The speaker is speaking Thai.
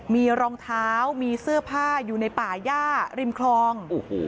มีรองเท้ามีเสื้อผ้าอยู่ในป่าย่าริมคลอง